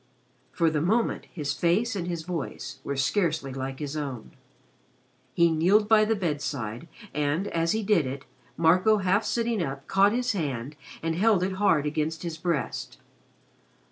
For the moment, his face and his voice were scarcely like his own. He kneeled by the bedside, and, as he did it, Marco half sitting up caught his hand and held it hard against his breast.